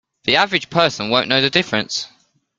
The average person won't know the difference.